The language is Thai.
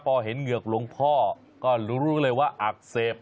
พอเห็นเหงือกหลวงพ่อก็รู้เลยว่าอักเสบ